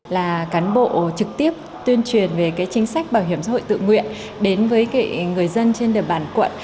là cán bộ trực tiếp tuyên truyền về chính sách bảo hiểm xã hội tự nguyện đến với người dân trên địa bàn quận